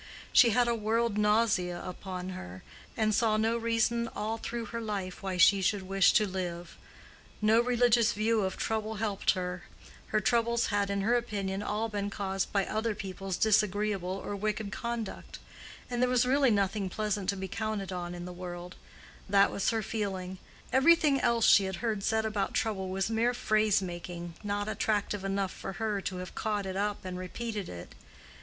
She had a world nausea upon her, and saw no reason all through her life why she should wish to live. No religious view of trouble helped her: her troubles had in her opinion all been caused by other people's disagreeable or wicked conduct; and there was really nothing pleasant to be counted on in the world: that was her feeling; everything else she had heard said about trouble was mere phrase making not attractive enough for her to have caught it up and repeated it.